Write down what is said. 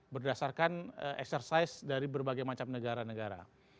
berdasarkan eksersis dari berbagai macam negara negara